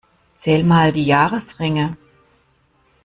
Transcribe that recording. Zähl mal die Jahresringe.